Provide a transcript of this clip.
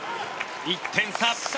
１点差。